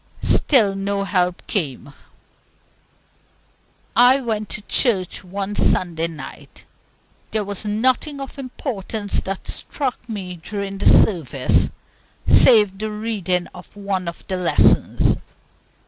Still no help came. I went to a church one Sunday night. There was nothing of importance that struck me during the service, save the reading of one of the lessons.